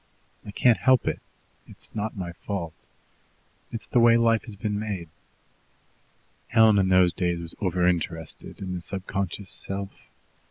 I can't help it. It's not my fault. It's the way life has been made." Helen in those days was over interested in the subconscious self.